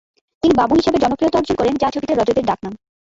তিনি 'বাবু' হিসাবে জনপ্রিয়তা অর্জন করেন, যা ছবিতে রজত এর ডাকনাম।